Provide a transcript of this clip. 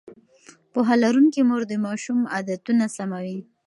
پوهه لرونکې مور د ماشوم عادتونه سموي.